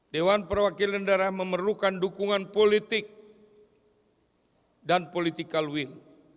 dewan perwakilan daerah memerlukan dukungan politik dan political will